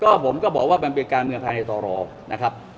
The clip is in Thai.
ก็ผมก็บอกว่ามันเป็นการเมืองไทยในต่อรองนะครับ